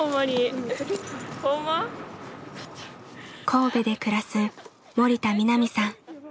神戸で暮らす森田望奈未さん。